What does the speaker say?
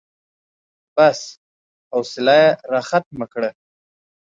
بس، حوصله يې راختمه کړه.